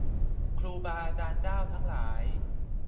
ครูบาอาจารย์เจ้าทั้งหลาย